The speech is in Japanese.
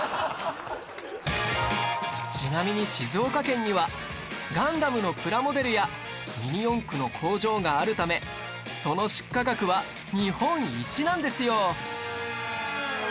ちなみに静岡県には『ガンダム』のプラモデルやミニ四駆の工場があるためその出荷額は日本一なんですよ